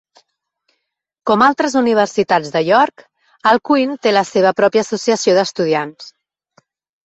Com altres universitats de York, Alcuin té la seva pròpia Associació d'Estudiants.